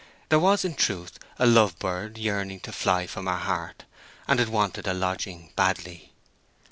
There was, in truth, a love bird yearning to fly from her heart; and it wanted a lodging badly.